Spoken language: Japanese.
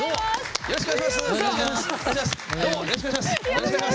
よろしくお願いします。